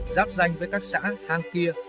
giáp danh với các xã hang kia